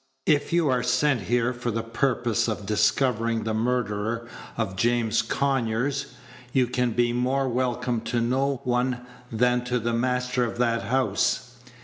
If you are sent here for the purpose of discovering the murderer of James Conyers, you can be more welcome to no one than to the master of that house."